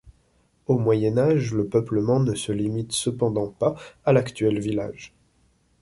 Au Moyen Âge le peuplement ne se limite cependant pas à l'actuel village.